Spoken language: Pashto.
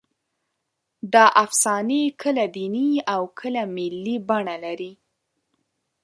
دا افسانې کله دیني او کله ملي بڼه لري.